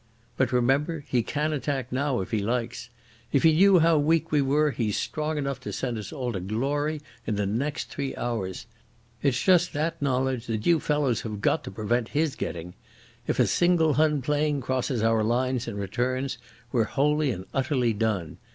But remember, he can attack now, if he likes. If he knew how weak we were he's strong enough to send us all to glory in the next three hours. It's just that knowledge that you fellows have got to prevent his getting. If a single Hun plane crosses our lines and returns, we're wholly and utterly done.